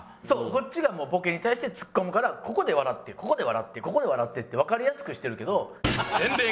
そうこっちがもうボケに対してツッコむからここで笑ってここで笑ってここで笑ってってわかりやすくしてるけど。